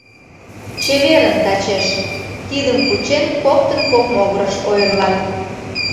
— Чеверын тачеш! — кидым кучен, коктын кок могырыш ойырлат.